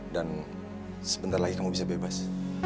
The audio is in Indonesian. dan sebentar lagi kamu bisa bebas